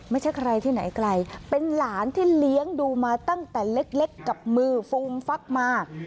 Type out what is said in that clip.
ไม่ใช่ใครที่ไหนไกลเป็นหลานที่เลี้ยงดูมาตั้งแต่เล็กกับมือฟูมฟักมา